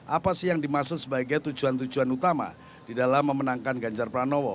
apa sih yang dimaksud sebagai tujuan tujuan utama di dalam memenangkan ganjar pranowo